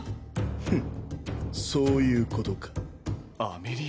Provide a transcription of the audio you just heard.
フッそういうことかアメリア